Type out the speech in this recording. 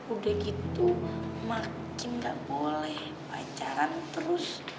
udah gitu makin gak boleh pacaran terus